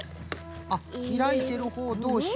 あっひらいてるほうどうしを。